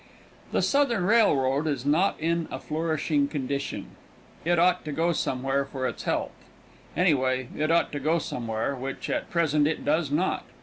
The southern railroad is not in a flourishing condition. It ought to go somewhere for its health. Anyway, it ought to go somewhere, which at present it does not.